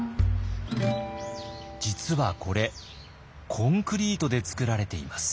実はこれコンクリートで作られています。